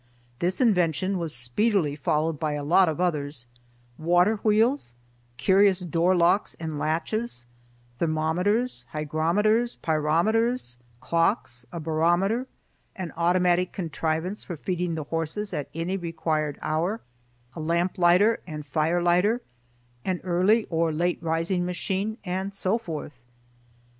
This invention was speedily followed by a lot of others,—water wheels, curious doorlocks and latches, thermometers, hygrometers, pyrometers, clocks, a barometer, an automatic contrivance for feeding the horses at any required hour, a lamp lighter and fire lighter, an early or late rising machine, and so forth.